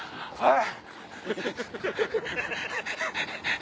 はい。